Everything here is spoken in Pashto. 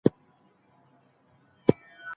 دولت اقتصادي زېربناوي جوړولې.